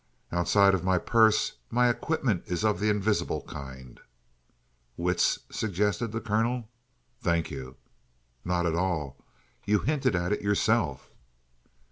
"Outside of my purse, my equipment is of the invisible kind." "Wits," suggested the colonel. "Thank you." "Not at all. You hinted at it yourself."